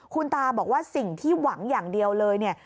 คุณตาบอกว่าสิ่งที่หวังอย่างเดียวเลยเนี่ย